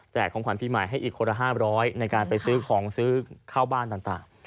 ของขวัญปีใหม่ให้อีกคนละ๕๐๐ในการไปซื้อของซื้อเข้าบ้านต่าง